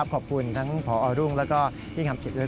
ขอบคุณทั้งพอรุ่งแล้วก็พี่งามจิตด้วย